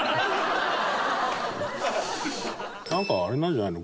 あれなんじゃないの？